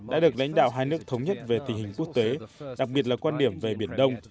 đã được lãnh đạo hai nước thống nhất về tình hình quốc tế đặc biệt là quan điểm về biển đông